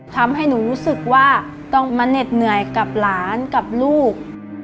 ทำให้หนูรู้สึกว่าต้องมาเหน็ดเหนื่อยกับหลานกับลูก